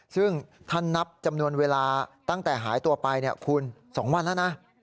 ซึ่งถ้านับจำนวนเวลาตั้งแต่หายตัวไปคุณ๒วันแล้วนะ